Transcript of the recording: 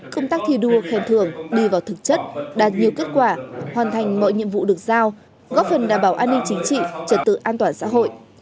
công tác thi đua khen thường đi vào thực chất đạt nhiều kết quả hoàn thành mọi nhiệm vụ được giao góp phần đảm bảo an ninh chính trị